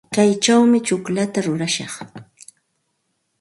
Kaychawmi tsukllata rurashaq.